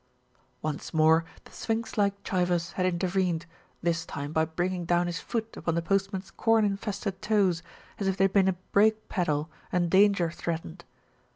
Once more the sphinx like Chivers had intervened, this time by bringing down his foot upon the postman's corn infested toes, as if they had been a brake pedal and danger threatened.